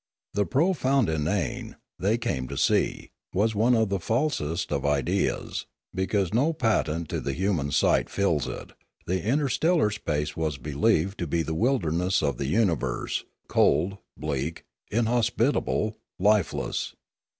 The profound inane, they came to see, was one of the falsest of ideas ; because no matter patent to the human sight fills it, the interstellar space was believed to be the wilderness of the universe, cold, bleak, inhospitable, lifeless.